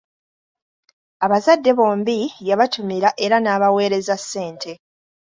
Abazadde bombi yabatumira era n'abaweereza ssente.